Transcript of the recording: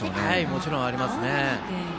もちろん、ありますね。